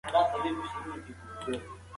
هغه د خپلو جګړه مارو ملاتړ ترلاسه کړ.